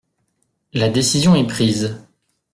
La décision est prise.